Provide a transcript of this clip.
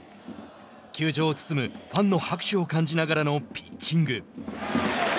球場を包むファンの拍手を感じながらのピッチング。